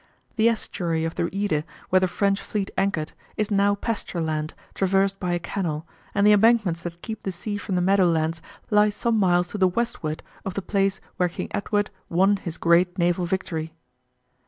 The estuary of the Eede where the French fleet anchored is now pasture land traversed by a canal, and the embankments that keep the sea from the meadow lands lie some miles to the westward of the place where King Edward won his great naval victory.